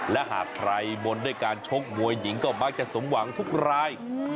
และหากใครบนด้วยการชกมวยหญิงก็มักจะสมหวังทุกราย